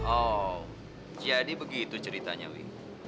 oh jadi begitu ceritanya wi